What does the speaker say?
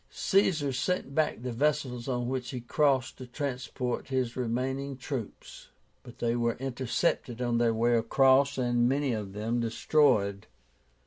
Caesar sent back the vessels on which he crossed to transport his remaining troops, but they were intercepted on their way across and many of them destroyed.